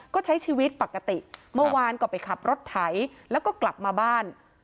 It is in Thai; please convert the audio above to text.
ก็ใช้ชีวิตปกติเมื่อวานก็ไปขับรถไถแล้วก็กลับมาบ้าน